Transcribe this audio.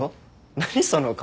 何その顔。